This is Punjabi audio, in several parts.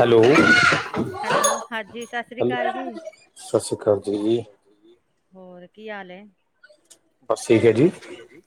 ਹੈਲੋ, ਸਤਿ ਸ੍ਰੀ ਕਾਲ ਜੀ। ਹੋਰ ਕੀ ਹਾਲ ਐ। ਬਸ ਠੀਕ ਹੈ ਜੀ।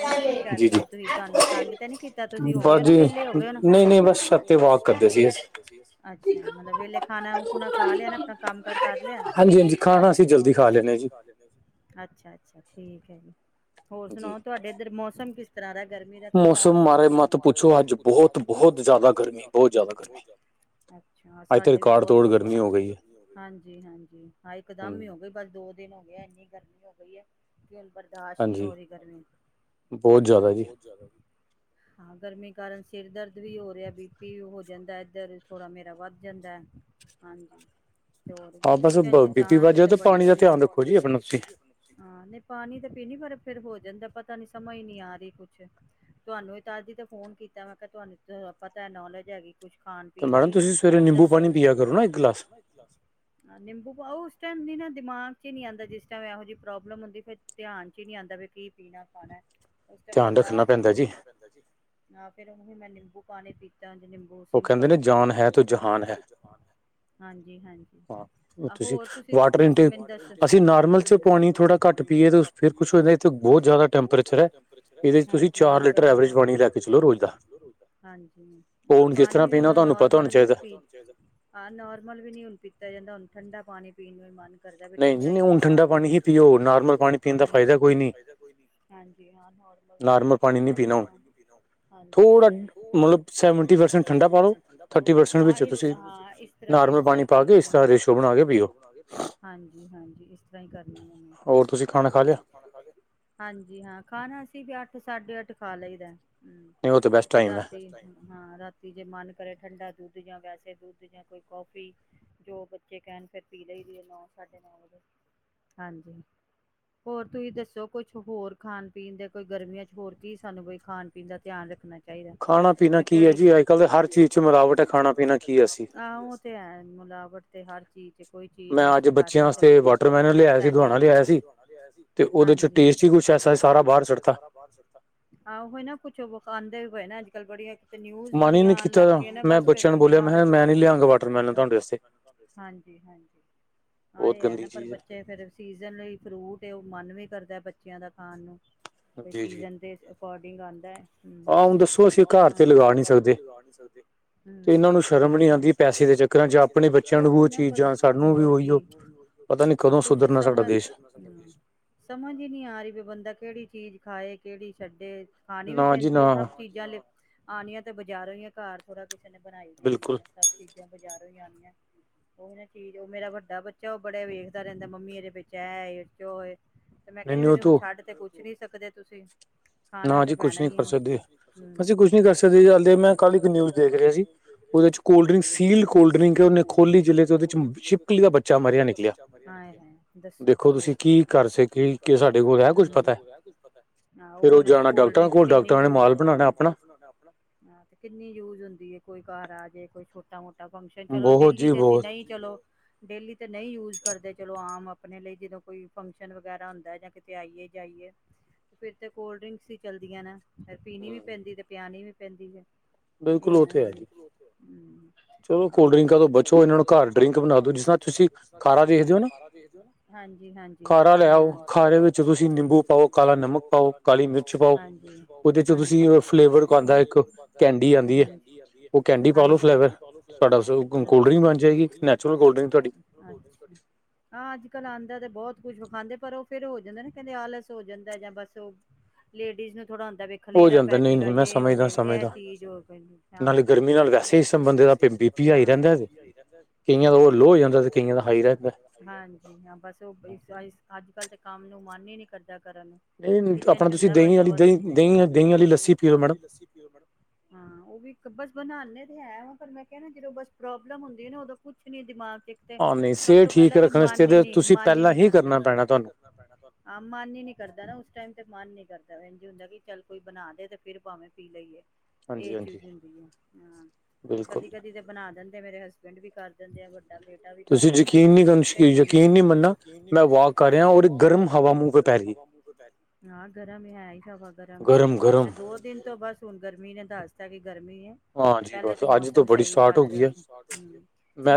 ਹੋਰ ਕੀ ਕਰ ਰਹੇ ਸੀ ਤੁਸੀਂ ਤੁਹਾਨੂੰ ਤੰਗ ਤੇ ਨੀ ਕੀਤਾ ਤੁਸੀਂ ਹੋਗੇ ਓ ਵਿਹਲੇ ਹੋ ਗਿਆ ਓ ਨਾ [unintelligible] [unintelligible] ਹੋਰ ਸੁਣਾਓ ਮੌਸਮ ਕਿਸ ਤਰ੍ਹਾਂ ਦਾ ਗਰਮੀ ਦਾ ਕੀ ਹਾਲ ਸਾਡੇ [inaudible] ਅੱਛਾ ਸਾਡੇ ਵੀ ਬਹੁਤ ਬੁਰਾ ਹਾਲ ਦਿਨ ਹੋ ਗਿਆ ਇੰਨੀ ਗਰਮੀ ਹੋ ਗਈ ਹੈ। ਬਰਦਾਸ਼ਤ ਨਹੀਂ ਹੋ ਰਹੀ ਗਰਮੀ। ਬਹੁਤ ਜਿਆਦਾ ਹਾਂ ਗਰਮੀ। ਗਰਮੀ ਕਾਰਨ ਕਿਚਨ ਚ ਜਾ ਕੇ ਤੇ ਬੜੀ ਬੁਰੀ ਹਾਂ, ਨਹੀਂ ਪਾਣੀ ਤੇ ਪੀਣੀ ਪਰ ਫੇਰ ਹੋ ਜਾਂਦਾ ਪ ਪਤਾ ਨੀ ਸਮਝ ਨੀ ਆ ਰਹੀ ਕੁੱਛ ਤੁਹਾਨੂੰ ਵੀ ਤਾਂ ਅਸੀਂ ਤੇ ਫੋਨ ਕੀਤਾ ਮੈਂ ਕਿਹਾ ਤੁਹਾਨੂੰ ਪਤਾ ਨੋਲੇਜ ਹੈਗੀ। ਕੁਛ ਖਾਣ ਪੀਣ ਦੀ ਦੱਸੋ ਨਿੰਬੂ ਪਾਣੀ ਉਹ ਉਸ ਟਾਈਮ ਨੀ ਨਾ ਦਿਮਾਗ ਚ ਹੀ ਨਹੀਂ ਆਂਦਾ ਜਿਸ ਟਾਈਮ ਇਹੋ ਜਿਹੀ ਪ੍ਰੋਬਲਮ ਹੁੰਦੀ ਫਿਰ ਧਿਆਨ ਚ ਹੀ ਨਹੀਂ ਆਂਦਾ ਵੀ ਕੀ ਪੀਣਾ। [unintelligible] ਉਸ ਟਾਈਮ ਬਰਦਾਸ਼ਤ ਨਹੀਂ ਹੁੰਦਾ ਹਾਂ ਫਿਰ। ਨਹੀਂ ਮੈਂ ਨਿੰਬੂ ਪਾਣੀ ਪੀ ਹਾਂਜੀ ਮੈਨੂੰ ਬਹੁਤ ਸਿੰਪਲ ਉਹ ਕਹਿੰਦੇ ਨੇ ਜਾਨ ਹੈ ਤੋਂ ਜਹਾਨ ਹੈ ਹਾਂਜੀ ਹਾਂਜੀ ਹੋਰ ਤੁਸੀਂ ਕੁਛ ਮੈਨੂੰ ਦੱਸੋ [inaudible] [inaudible] ਹਾਂ, ਪਾਣੀ ਵੀ ਹੁਣ ਨੋਰਮਲ ਵੀ ਨੀ ਪੀ ਹਾਂ, ਨੋਰਮਲ ਵੀ ਨੀ ਹੁਣ ਪੀਤਾ ਜਾਂਦਾ ਹੁਣ। ਠੰਡਾ ਪਾਣੀ ਪੀਣ ਨੂੰ ਮਨ ਕਰਦਾ ਠੰਡਾ ਹੀ ਹੋ ਪਾਣੀ ਠੰਡਾ ਪਾਣੀ ਹੀ ਪੀਓ ਤਾਜ਼ਾ ਪਾਣੀ ਪੀਣ ਦਾ ਹਾਂਜੀ [unintelligible] ਹਾਂਜੀ ਇਸ ਤਰ੍ਹਾਂ ਹੀ ਕਰ ਹੋਰ ਤੁਸੀਂ ਖਾਣਾ ਖਾ ਲਿਆ ਖਾਣਾ ਅ ਸੀਸੀ ਵੀ ਅੱਠ ਸਾਢੇ ਅੱਠ ਖਾ ਲਈਦਾ ਹਮ ਫਿਰ ਰਾਤੀ ਹਾਂ ਰਾਤੀ ਜੇ ਮਨ ਕਰੇ ਠੰਡਾ ਦੁੱਧ ਜਾਂ ਵੈਸੇ ਦੁੱਧ ਜਾਂ ਕੋਈ ਕਫੀ ਜੋ ਬੱਚੇ ਕਹਿਣ ਫਿਰ ਪੀ ਲਈ ਦੀ ਨੌ ਸਾਡੇ ਨੌ ਵਜੇ ਹਾਂਜੀ ਹੋਰ ਤੁਸੀਂ ਦੱਸੋ ਕੁਛ ਹੋਰ ਖਾਣ ਪੀਣ ਦੇ ਕੋਈ ਗਰਮੀਆਂ ਚ ਹੋਰ ਕੀ ਸਾਨੂੰ ਕੋਈ ਖਾਣ ਪੀਣ ਦਾ ਧਿਆਨ ਰੱਖਣਾ ਚਾਹੀਦਾ ਕਿਹੜੀ [unintelligible] ਉਹ ਤੇ ਮਿਲਾਵਟ ਤੇ ਹਰ ਚੀਜ਼ ਕੋਈ ਚੀਜ਼ ਨੂੰ ਅਸੀਂ ਕਰਦੇ ਹਾਂਜੀ [unintelligible] ਨਾ ਕੁਛ ਵਖਾਉਦੇ ਹੋਏ ਨਾ ਅੱਜ ਕੱਲ ਬੜੀ ਤੇ ਨਿਊਜ ਬੜੀਆਂ ਆਉਣ ਲੱਗ ਪਈ ਨਾ ਬਸ ਫਿਰ ਦੁਨੀਆਂ ਹਾਂਜੀ ਹਾਂਜੀ ਆਹ ਇਹ ਹੈ ਨਾ ਪਰ ਬੱਚੇ ਫ ਸੀਜਨ ਫਰੂਟ ਮਨ ਵੀ ਕਰਦਾ ਬੱਚਿਆਂ ਦਾ ਖਾਨ ਨੂੰ ਸੀਜ਼ਨ ਦੇ ਅਕੌਰਦਿ਼ਗ [unintelligible] [unintelligible] ਕਿਹੜੀ ਚੀਜ਼ ਖਾਏ ਕਿਹੜੀ ਛੱਡੇ ਖਾਣੀ ਵੀ ਪੈਂਦੀ ਹੈ ਸਭ ਚੀਜ਼ਾਂ ਲ ਆਉਣੀਆ ਤੇ ਬਜ਼ਾਰੋਂਈਆਂ ਘਰ ਥੋੜਾ ਕੁ ਨੇ ਬਣਾਈਆਂ ਚੀਜ਼ਾਂ ਸਭ ਚੀਜ਼ਾਂ ਬਾਜ਼ਾਰ ਉਹ ਚੀਜ਼ ਉਹ ਮੇਰਾ ਵੱਡਾ ਬੱਚਾ ਉਹ ਬੜਾ ਵੇਖਦਾ ਰਹਿੰਦਾ ਮੰਮੀ ਇਹਰੇ ਵਿੱਚ ਹੈ [unintelligible] ਤੂੰ ਤੇ ਪੁੱਛ ਨੀ ਸਕਦੇ ਤੁਸੀਂ ਖਾਨਾ ਤੇ ਪੈਨਾ ਹੀ ਹੈ [unintelligible] [unintelligible] ਕੋਡ ਡਰੀਕ ਕਿੰਨੀ ਯੂਜ ਹੁੰਦੀ ਆ [unintelligible] ਕੋਈ ਘਰ ਆਜੇ ਕੋਈਛੋਟਾ ਮੋਟਾ ਫੰਕਸ਼ਨ ਚਲੋ ਡੇਲੀ ਤੇ ਅਸੀਂ ਨਹੀਂ ਚਲੋ ਡੇਲੀ ਤੇ ਨਹੀਂ ਯੂਜ ਕਰਦੇ ਚਲੋ ਆਮ ਆਪਣੇ ਲਈ ਜਦੋਂ ਕੋਈ ਫੰਕਸ਼ਨ ਵਗੈਰਾ ਹੁੰਦਾ ਜਾਂ ਆਈਏ ਜਾਈਏ ਫਿਰ ਤੇ ਕੋਲਡ ਡ੍ਰਿੰਕਸ ਹੀ ਚੱਲਦੀਆਂ ਨੇ ਫਿਰ ਪੀਣੀ ਵੀ ਪੈਂਦੀ ਤੇ ਪਿਆਣੀ ਵੀ ਪੈਂਦੀ ਐ ਏ ਆ ਨਾ, [unintelligible] ਆਓ [inaudible] ਅਠਾਰਾਂ ਤਰੀਕ ਨੂੰ ਹਾਂ ਜੀ, ਹਾਂ ਜੀ, ਹਾਂ। ਖਾਰਾ ਲੈ ਆਓ। ਸ ਵਿੱਚ ਤੁਸੀਂ ਨਿੰਬੂ ਪਾਓ, ਕਾਲਾ ਨਮਕ ਪਾਓ, ਹਾਂ ਜੀ, ਹਾਂ ਜੀ। ਕਾਲੀ ਮਿਰਚ ਪਾਓ ਹਾਂਜੀ ਤੁਸੀਂ ਫਲੇਵਰ ਪਾ ਕੈਂਡੀ ਆਂਦੀ ਐ, ਉਹ ਕੈਂਡੀ ਪਾਲੋ ਫਲੇਵਰ ਤੁਹਾਡਾ ਸ ਕੋਲਡ ਡਰਿੰਕ ਬਣ ਜਾਏਗੀ, ਨੈਚੁਰਲ ਕੋਲਡ ਡਰਿੰਕ ਹਾਂ ਅੱਜ ਕਲ ਆਂਦਾ ਬੋ ਕੁੱਝ ਵਿਖਾਂਦੇ ਪਰ ਉਹ ਫਿਰ ਹੋ ਜਾਂਦੇ ਨੇ ਕਹਿੰਦੇ ਆਲਸ ਹੋ ਜਾਂਦਾ ਜਾਂ ਬਸ ਉਹ ਲੇਡੀਜ਼ ਨੂੰ ਥੋੜਾ ਹੁੰਦਾ ਵੀ ਖਲੇਰਾ ਪੈ ਜੇਗਾ ਜੇ ਹੋ ਜੇਗਾ ਇਹ ਚੀਜ਼ ਹੋ ਜਾਂ ਹਾਂ [inaudible] ਹਾਂਜੀ ਹਾਂ ਬਸ ਉਹ ਅੱਜ ਕਲ ਤੇ ਕੰਮ ਨੂੰ ਮਨ ਨੀ ਕਰਦੇ ਹੁੰਦਾ ਕਰਨ ਨੂੰ ਕਿਚਨ ਚ ਹੁੰਦਾ ਬਸ, ਦਵਾ ਦਵ [inaudible] ਹਾਂ, ਓਵੀ ਕ ਬਸ ਬਣਾਂਣੇ ਤਾਂ ਹੈ ਵੀ ਪਰ ਮੈਂ ਕਿਆ ਨਾਂ ਜਦੋਂ ਬਸ ਪ੍ਰੋਬਲਮ ਹੁੰਦੀ ਐ ਨਾ ਉਹਦੋ ਕੁਛ ਨਹੀਂ ਦਿਮਾਗ ਚ ਹਾਂ, ਨਹੀਂ ਸਿਹਤ ਠੀਕ ਰੱਖਣ ਵਾਸਤੇ, ਤੁਸੀਂ ਪਹਿਲਾਂ ਹੀ ਕਰਨਾ ਪੈਣਾ ਤੁਹਾਨੂੰ ਮਨ ਈ ਨੀਂ ਕਰਦਾ ਨਾ ਉਸ ਟਾਈਮ ਤੇ ਮਨ ਨੀਂ ਕਰਦਾ, ਇੰਝ ਹੁੰਦਾ ਚੱਲ ਕੋਈ ਬਣਾ ਦੇ ਤੇ ਫਿਰ ਭਾਵੇਂ ਪੀ ਲਈਏ। ਇਹ ਚੀਜ਼ ਹੁੰਦੀ ਆ ਹਾਂ ਕਦੀ-ਕਦੀ ਤੇ ਬਣਾ ਦਿੰਦੇ ਮੇਰੇ ਹਸਬ ਪਿੰਡ ਵੀ ਕਰ ਦਿੰਦੇ ਆ ਵੱਡਾ ਬੇਟਾ ਵੀ ਕਰ ਦਿੰਦਾ ਤੁਸੀ ਯਕੀਨ ਨ [inaudible] ਹਵਾ ਮੁੰਹ ਤੇ ਪੈ ਰਹੀ ਐ। ਹਾਂ ਗਰਮ ਹੈ ਈ, ਹਵਾ ਗਰਮ ਐ, ਦੋ ਦਿਨ ਤੋਂ ਬਸ ਹੁਣ ਗਰਮੀ ਨੇ ਅਸਾਂ ਕੀ ਗਰਮੀ ਐ, ਪਹਿਲੇ ਤੇ ਮੌਸਮ ਸਹੀ ਚੱਲ ਰਿਹਾ ਸੀ ਹਂ, ਗਰਮੀ ਸਟਾਟ ਹੋ ਗਈ।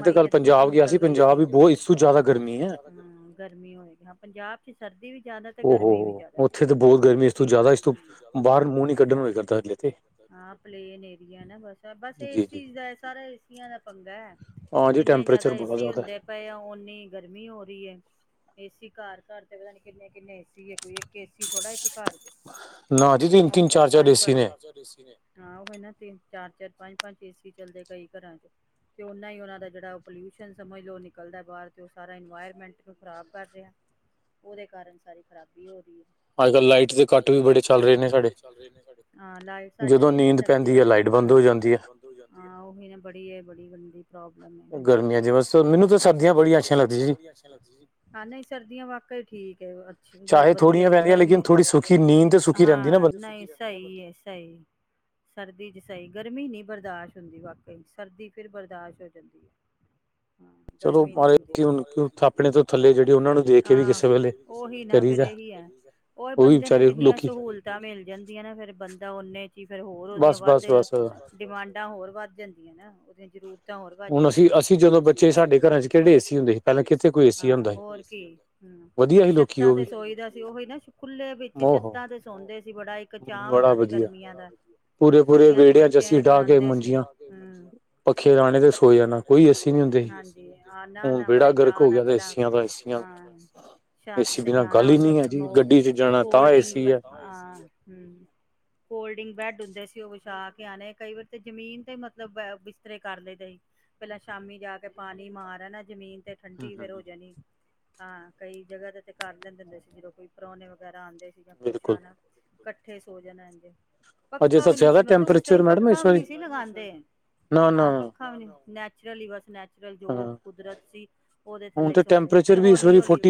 ਮਈ ਅੱਧੀ ਤੇ ਨਿਕਲ ਗਈ ਸੀ ਮੈਂ ਤੇ ਕੱਲ ਪੰਜਾਬ ਗਿਆ ਸੀ ਪੰਜਾਬ ਵੀ ਬਹੁਤ ਇਸ ਤੋਂ ਜ਼ਿਆਦਾ ਗਰਮੀ ਐ। ਹਂ ਗਰਮੀ ਹੋਏਗੀ ਹਾਂ ਪੰਜਾਬ ਚ ਸਰ ਜ਼ਿਆਦਾ ਤੇ ਗਰਮੀ ਵੀ ਜਿਆਦਾ ਕਿਉਂਕਿ [inaudible] ਹਾਂ ਪਲੇਨ ਏਰੀਆ ਨਾ ਬ ਬ ਏ ਦਾ ਸਾਰਾ ਏਸੀ ਦਾ ਪੰਗਾ ਜਿੰਨੇ ਜ਼ਿਆਦਾ ਏਸੀ ਹੁੰਦੇ ਪਏ ਆ ਓਨੀ ਗਰਮੀ ਹੋ ਰਹੀ ਐ ਏਸੀ ਘਰ ਘਰ ਤੇ ਪਤਾ ਨੀਂ ਕਿੰਨੇ-ਕਿੰਨੇ ਏਸੀ ਸੀ ਲਗੇ, ਇੱਕ ਏਸੀ ਥੋੜਾ ਇੱਕ ਘਰ ਚਾਰ-ਚਾਰ, ਪੰਜ-ਪੰਜ। ਚਾਰ ਏਸੀ ਨੇ, ਹਾਂ ਉਹ ਨਾ ਤਿ ਚਾਰ-ਚਾਰ, ਪੰਜ-ਪੰਜ ਏ ਸੀ ਚੱਲਦੇ ਕਈ ਘਰਾਂ ਚ, ਤੇ ਉਨ੍ਹਾਂ ਹੀ ਉਨ੍ਹਾਂ ਦਾ ਜਿਹੜਾ ਉਹ ਪੋਲਿਊਸ਼ਨ ਸਮਝ ਲਓ ਨਿਕਲਦਾ ਬਾਹਰ ਅਤੇ ਉਹ ਸਾਰਾ ਇਨਵਾਇਰਮੈਂਟ ਨੂੰ ਖ਼ਰਾਬ ਕਰ ਰਿਹਾ। ਉਹਦੇ ਕਾਰਨ ਸਾਰੀ ਖ਼ਰਾਬੀ ਹੋ ਰਹੀ ਐ। ਅੱਜਕੱਲ੍ਹ ਲਾਈਟਸ ਦੇ ਕੱਟ ਵੀ ਬੜੇ ਚਲ ਰਹੇ ਨੇ ਸਾਡੇ, ਹਾਂ ਲਾਈਟ ਸਾਡੇ ਵੀ ਇਧਰ ਲਗਦੇ ਆ ਕੱਟ ਹਾਂ, ਨੀਂਦ ਪੈਂਦੀ ਏ, ਲਾਈਟ ਬੰਦ ਹੋ ਜਾਂਦੀ ਐ। ਹਾਂ, ਉਹੀ ਨਾਂ ਬੜੀ ਏ ਬੜੀ ਗੰਦੀ ਪਰੋਬਲਮ ਏ, ਹਮ, ਗਰਮੀਆਂ ਚ ਬਸ, ਮੈਨੂੰ ਤਾਂ ਸਰਦੀਆਂ ਬੜੀਆਂ ਅੱਛੀਆਂ ਲਗਦੀ ਏ ਜੀ, ਹਾਂ ਨਹੀਂ ਸਰਦੀਆਂ ਵਾਕੇ ਈ ਠੀਕ ਅੱਛੀ ਪਰ ਵਧੀਆ ਈ ਐ। ਚਾਹੇ ਥੋੜ੍ਹੀਆਂ ਪੈਂਦੀਆਂ ਲੇਕਿਨ ਥੋੜ੍ਹੀ ਸੋਖੀ ਨੀਂਦ ਤੇ ਸੁਖੀ ਰਹਿੰਦੀ ਨਾ। ਗਰਮੀ, ਹਾਂ ਨਹੀਂ ਸਹੀ ਏ ਸਹੀ, ਸਰਦੀ ਚ ਸਹੀ, ਗਰਮੀ ਨਹੀਂ ਬਰਦਾਸ਼ਤ ਹੁੰਦੀ ਵਾਕਈ ਸਰਦੀ ਫਿਰ ਬਰਦਾਸ਼ਤ ਹੋ ਜਾਂਦੀ ਐ। ਚਲੋ ਮਾਰਜੁਣਥ [inaudible] ਆਪਣੇ ਤੋਂ ਥੱਲੇ ਜਿਹੜੀ ਉਹਨਾਂ ਨੂੰ ਦੇ ਕੇ ਵੀ ਕਿਸੇ ਵੇਲੇ ਉਹੀ ਨਾ ਫਿਰ ਇਹੀ ਆ, ਹੋਰ ਬੰਦੇ ਨੂੰ ਜਿੰਨੀਆਂ ਸਹੂਲਤਾਂ ਮਿਲ ਜਾਂਦੀਆਂ ਨਾ ਫਿਰ ਬੰਦਾ ਓਨੇ 'ਚ ਹੀ ਫਿਰ ਹੋਰ ਉਹਦੀਆਂ ਵੱਧ ਬਸ ਬਸ ਬਸ, ਡਿਮਾਂਡਾਂ ਹੋਰ ਵੱਧ ਜਾਂਦੀਆਂ ਨਾ ਫਰਿਜ ਵੀ ਤਾਂ ਹੋਰ ਵਧ ਜਾਂਦੀ ਏ, ਹੁਣ ਅਸੀ ਅਸੀਂ ਜਦੋਂ ਬੱਚੇ ਹਾਂ ਸਾਡੇ ਘਰਾਂ ਚ ਕਿਹੜੇ ਏਸੀ ਹੁੰਦੇ ਸੀ, ਹਾਂ, ਹੋਰ ਕੀ ਛੱਤਾਂ ਤੇ ਸੋਈ ਦਾ ਸੀ ਉਹੀ ਨਾ ਖੁੱਲੇ ਵਿੱਚ ਛੱਤਾਂ ਤੇ ਸੌਂਦੇ ਸੀ ਬੜਾ ਇੱਕ ਚਾਅ ਹੁੰਦਾ ਸੀ ਗਰਮੀਆਂ ਦਾ, ਛੁੱਟੀਆਂ 'ਚ ਬੱਚੇ ਵੀ ਆਉਂਦੇ ਸੀ, ਹਮ, ਹਾਂਜੀ, ਨਾ, ਨਾ, ਬੜੇ ਚਾਅ ਨਾਲ ਪਹਿਲਾਂ ਹਾਂ। ਛੱਤ ਤੇ ਜਾਣਾ ਉਥੇ, ਫੋਲਡਿੰਗ, ਹਾਂ ਹਮ, ਫੋਲਡਿੰਗ ਬੈਡ ਹੁੰਦੇ ਸੀ ਉਹ ਵਿਛਾ ਕੇ ਆਉਣੇ ਕਈ ਵਾਰ ਤਾਂ ਜ਼ਮੀਨ ਤੇ ਮਤਲਬ ਬ ਬਿਸਤਰੇ ਕਰ ਲਈ ਦੇ ਸੀ, ਪਹਿਲਾਂ ਸ਼ਾਮੀ ਜਾ ਕੇ ਪਾਣੀ ਮਾਰ ਆਨਾ ਜਮੀਨ ਤੇ ਠੰਡੀ ਫੇਰ ਹੋ ਜਾਣੀ, ਹਾਂ ਕਈ ਜਗ੍ਹਾ ਦਾ ਤੇ ਕਰ ਲੈਂਦੇ ਹੁੰਦੇ ਸੀ ਜਦੋਂ ਕੋਈ ਪ੍ਰਾਹੁਣੇ ਵਗੈਰਾ ਆਉਂਦੇ ਏਸੀ ਦਾ ਕੁਛ ਆਨਾ, ਕਟ ਤੇ ਸੋ ਜਾਣਾ ਇਝ ਪੱਖਾ ਵੀ ਨੀ ਸੀ ਮਤਲਬ ਉਸ ਟਾਇਮ ਪੱਖਾ ਵੀ ਨੀ ਸੀ ਲਗਾਉਂਦੇ, ਹਾਂ, ਪੱਖਾ ਵੀ ਨੀ ਨੈਟ ਲੀ ਬਸ ਨੈਟ ਜੋ ਕੁਦਰਤ ਸੀ, ਉਹਦੇ ਥੱਲੇ ਸੌਂਦੇ ਸੀ ਫਿਰ ਹੋਲੀ-ਹੋਲੀ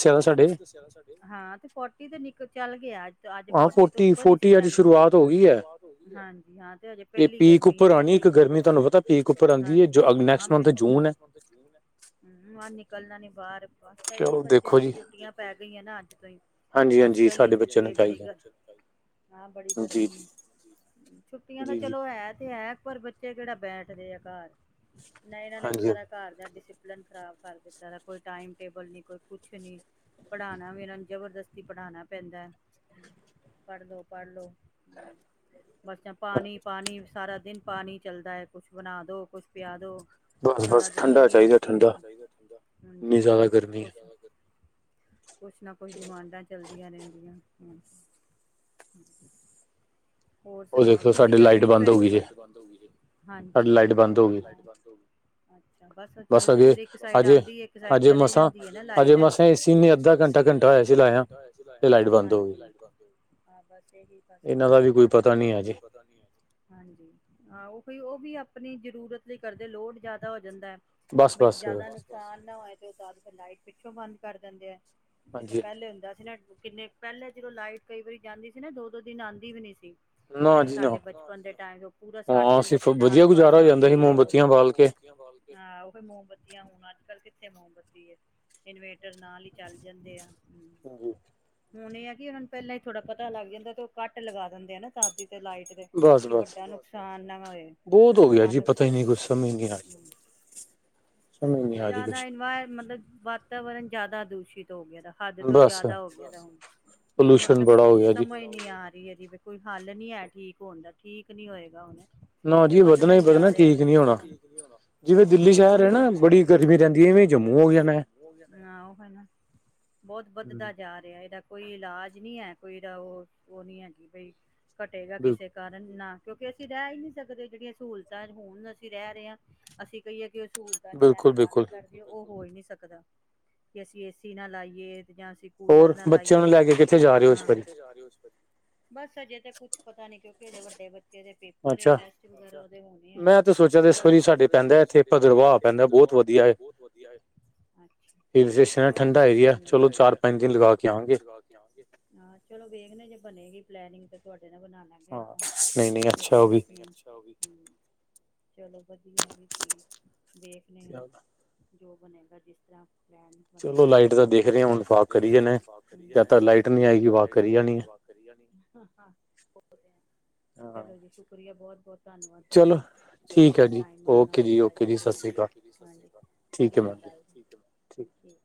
ਫੋਰਟੀ ਫਾਇਵ ਤੇ ਸੈਵਨ ਸਾਡੇ, ਹਾਂ ਤੇ ਫੋਰਟੀ ਚੱਲ ਗਿਆ। ਅੱਜ ਫੋਰਟੀ ਤੋਂ ਉਪਰ ਹੀ ਸੀ ਟੈਂਪਰੈਚਰ ਹਾਜੀ, ਹਾਂ ਤੇ ਹਜੇ ਪਹਿਲੀ ਗਰਮੀ ਆ ਪਹਿਲੇ ਹੀ, ਹਾਜੀ, ਹਾਂ ਹਾਂ, ਬਿਲਕੁਲ, ਹਮ ਨਿਕਲਣਾ ਨੀ ਬਾਹਰ ਬਸ ਸਹੀ ਹੈ ਬੱਚਾ ਵੇਸੈ ਛੁੱਟੀਆਂ ਪੈ ਗਈਆਂ ਨਾ ਅੱਜ ਤੋਂ ਹੀ, ਬਸ ਪਹਿਲੀ ਛੁੱਟੀ ਏ ਬੜੀ ਗਰਮੀ ਹਾਂ ਬੜੀ ਗਰਮੀ ਹੈ ਛੁੱਟੀਆਂ ਤਾਂ ਚਲੋ ਹੈ ਤੇ ਹੈ ਪਰ ਬੱਚੇ ਕਿਹੜਾ ਬੈਠਦੇ ਆ ਘਰ ਨਾ ਏਨਾ ਨੇ ਵੀ ਸਾਰਾ ਘਰ ਦਾ ਡਿਸਿਪਲਿਨ ਡਿਸਿਪਲਿਨ ਖ਼ਰਾਬ ਕਰ ਦਿੱਤਾ ਕੋਈ ਟਾਈਮ ਟੇਬਲ ਨੀ ਕੋਈ ਕੁਛ ਨੀ, ਪੜ੍ਹਾਉਣਾ ਵੀ ਇਹਨਾਂ ਨੂੰ ਜਬਰਦਸਤੀ ਪੜ੍ਹਾਉਣਾਂ ਪੈਂਦਾ, ਪੜ੍ਹ ਲੋ, ਪੜ ਲੋ ਬਸ ਪਾਣੀ ਪਾਣੀ ਸਾਰਾ ਦਿਨ ਪਾਣੀ ਚੱਲਦਾ ਹੈ ਕੁਛ ਬਣਾ ਦਿਉ ਕੁਛ ਪਿਆ ਦਿਉ ਸਾਰਾ ਦਿਨ ਹਾਂਜੀ ਕੁ ਕੁਛ ਨਾ ਕੁੱਛ ਡਿਮਾਂਡਾਂ ਚੱਲਦੀ ਦੀ ਰਹਿੰਦੀਆਂ ਹੋਰ ਸੁਣਾਓ ਤੁਸੀਂ ਗਰਮੀ ਚ ਫ ਹੋ ਹਾਂਜੀ ਬਸ ਉਹ ਚਦੇ ਫ ਇੱਕ ਸਡ ਆ ਇਕ ਸ ਚਲੇ ਜਾਂਦੀ ਨਾ ਲ ਉਹ ਵੀ ਆਪਣੀ ਜ਼ਰੂਰਤ ਲਈ ਕਰਦੇ ਲੋੜ ਜ਼ਿਆਦਾ ਜਾਂਦਾ ਬ ਜ਼ਿਆਦਾ ਨੁਕਸਾਨ ਨਾ ਹੋਆ ਤੇ ਲਾਈਟ ਬੰਦ ਕਰ ਦਿੰਦੇ ਆ ਪਹਿਲੇ ਹੁੰਦਾ ਸੀ ਨਾ ਕਿੰਨੇ ਪਹਿਲਾਂ ਜਦੋਂ ਲਾਈਟ ਕਈ ਵਾਰੀ ਜਾਂਦੀ ਸੀ ਨਾ ਦੋ ਦੋ ਦਿਨ ਆਉਂਦੀ ਵੀ ਨਹੀਂ ਸੀ ਜਿਹੜੇ ਸਾਡੇ ਬਚਪਨ ਦੇ ਟਾਈਮ ਉਹ ਪੂਰਾ ਸੜ ਜਾਂਦਾ ਸੀ ਤਾਂ ਬਾਰ ਬਾਰ ਇੱਥੇ ਮੋਮਬੱਤੀ ਹੈ ਇਨਵੇਟਰ ਨਾਲ ਹੀ ਚੱਲ ਜਾਂਦੇ ਆ ਹਮ ਹੁਣ ਇਹ ਆ ਕਿ ਉਹਨਾਂ ਨੂੰ ਪਹਿਲਾਂ ਹੀ ਥੋੜ੍ਹਾ ਪਤਾ ਲੱਗ ਜਾਂਦਾ ਤੇ ਉਹ ਕੱ ਲਗਾ ਦਿੰਦੇ ਆ ਨਾ ਸਾ ਲਾਈਟ ਦੇ ਕਿ ਵੱਡਾ ਨੁਕਸਾਨ ਨਾ ਹੋਏ ਜਿਆਦਾਵਾ ਮਤਲਬ ਜ਼ਿਆਦਾ ਦੂਸ਼ਿਤ ਹੱਦ ਤੋਂ ਜਿਆਦਾ ਹੋ ਗਿਆ ਹੁਣ ਹੁਣ ਮਤਲਬ ਕੁੱਛ ਸਮਝ ਨੀ ਆ ਰਹੀ ਹੈਦੀ ਕੋਈ ਹੱਲ ਨੀ ਹੈ ਠੀਕ ਹੋਣ ਦਾ ਠੀਕ ਨਹੀਂੀ ਹੋਏਗਾ ਹੁਣ ਨਾ ਜੀ ਵਧਣਾ ਹੀ ਵਧਣਾ ਠੀਕ ਨੀ ਹੋਣਾ ਜਿਵੇਂ ਦਿੱਲੀ ਸ਼ਹਿਰ ਹੈ ਨਾ ਬੜੀ ਗਰਮੀ ਰਹਿੰਦੀ ਹੈ ਜਵੇਂ ਜੰਮੂ ਹੋ ਜਾਣਾ ਹਾਂ ਉਹ ਹਨਾ ਬਹੁਤ ਵੱਧਦਾ ਜਾ ਰਿਹਾ ਇਹਦਾ ਕੋਈ ਇਲਾਜ ਨਹੀਂੀ ਹੈ ਕੋਈਦਾ ਉਹ ਉਹ ਨੀ ਹੈ ਕਿ ਬਈ ਘਟੇਗਾ ਕਿਸੇ ਕਾਰਨ ਨਾ ਕਿਉਂਕਿ ਅਸੀਂ ਰਹਿ ਹੀ ਨਹੀਂ ਸਕਦੇ ਜਿਹੜੀਆਂ ਸਹੂਲਤਾਂ ਹੋਣ ਅਸੀਂ ਰਹਿ ਰਹੇ ਹਾਂ ਅਸੀਂ ਕਹੀਏ ਸਹੂਲਤਾਂ ਜਿਹੜਾ ਨਾ ਬੰਦ ਕਰਦੇ ਹੋ ਉਹ ਹੋ ਹੀ ਨਹੀਂੀ ਸਕਦਾ ਜੇ ਅਸੀਂ ਏਸੀ ਨਾ ਲਾਈਏ ਜਾਂ ਅਸੀਂ ਕੂਲਰ ਨਾ ਲਾਈਏ ਬਸ ਅਜੇ ਤੇ ਕੁਛ ਪਤਾ ਨੀ ਕਿਂਕਿੇ ਵੱਡੇ ਬੱਚੇ ਦੇ ਬਹੁਤ ਵਧੀਆ ਠੰ ਚ ਚਾਰ ਪੰਜ ਦਿਨ ਲਗਾ ਕੇ ਆਗੇ ਚੋ ਵੇੇ ਬਣੇ ਪਲੈਨਿੰਗ ਤੁਹਾਾ ਬਣਾ ਚਲੋ ਵਧੀਆ ਜੀ ਠੀਕ ਦੇਖਦੇ ਹਾਂ ਜੋ ਬਣੇਗਾ ਜਿਸ ਰ ਲਾਈਟ ਨਹੀਂ ਆਈ ਸ਼ੁਕਰੀਆ ਬਹੁਤ ਧੰਨਵਾਦ ਸਤਿ ਸ੍ਰੀ ਅਕਾਲ ਜੀ ਠੀਕ